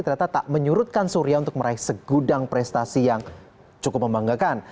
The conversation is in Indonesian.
ternyata tak menyurutkan surya untuk meraih segudang prestasi yang cukup membanggakan